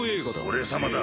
俺様だ！